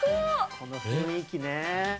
この雰囲気ね。